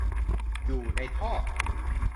อยู่ในท่อ